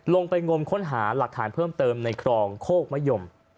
ลงไปงมค้นหาหลักฐานเพิ่มเติมในครองโคกมะยม